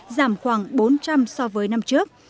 giảm khoảng bốn trăm linh so với năm trước